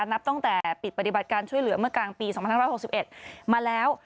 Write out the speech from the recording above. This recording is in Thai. นับตั้งแต่ปิดปฏิบัติการช่วยเหลือเมื่อกลางปี๒๕๖๑มาแล้ว